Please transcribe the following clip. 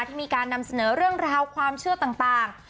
ที่มีการนำเสนอเรื่องราวความเชื่อต่าง